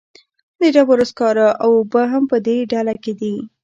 د ډبرو سکاره او اوبه هم په دې ډله کې دي.